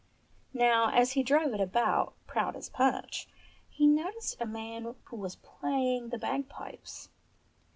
Now, as he drove it about, proud as Punch, he noticed a man who was playing the bagpipes.